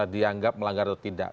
dianggap melanggar atau tidak